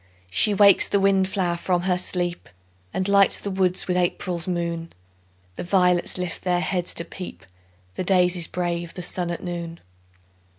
She wakes the wind flower from her sleep, And lights the woods with April's moon; The violets lift their heads to peep, The daisies brave the sun at noon.